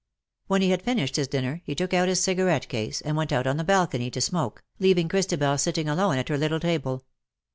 When he had finished his dinner, he took out his cigarette case, and went out on the balcony to smoke, leaving Christabel sitting alone at her little table.